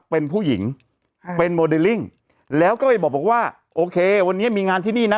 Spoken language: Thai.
เป็นผู้หญิงเป็นโมเดลลิ่งแล้วก็ไปบอกว่าโอเควันนี้มีงานที่นี่นะ